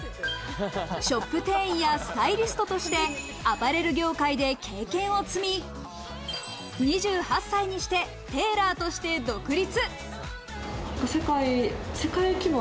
ショップ店員やスタイリストとしてアパレル業界で経験を積み、２８歳にしてテーラーとして独立。